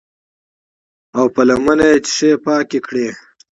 او پۀ لمنه يې شيشې پاکې کړې